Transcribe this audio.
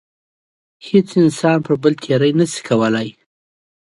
هیڅ انسان پر بل تېرۍ نشي کولای.